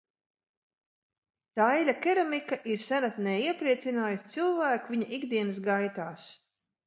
Daiļa keramika ir senatnē iepriecinājusi cilvēku viņa ikdienas gaitās.